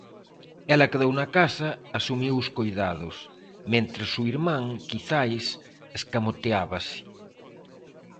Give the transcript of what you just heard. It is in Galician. Ela quedou na casa, asumiu os coidados... mentres o irmán, quizais, escamoteábase.